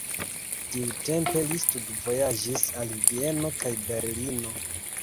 Tiutempe li studvojaĝis al Vieno kaj Berlino.